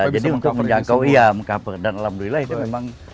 jadi untuk menjangkau iya mengkapur dan alhamdulillah itu memang